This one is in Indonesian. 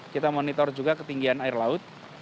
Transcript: kita monitor juga ketinggian air laut